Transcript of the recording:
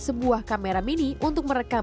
sebuah kamera mini untuk merekam